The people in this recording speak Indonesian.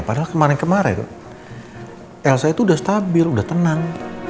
padahal kemarin kemarin elsa itu udah stabil udah tenang